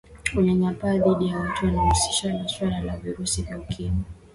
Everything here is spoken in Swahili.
unyanyapaaji dhidi ya watu wanaohusishwa na suala la virusi vya ukimwi